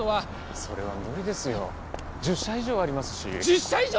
それは無理ですよ１０社以上ありますし１０社以上！？